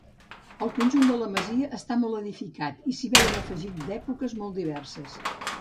El conjunt de la masia està molt edificat i s'hi veuen afegits d'èpoques molt diverses.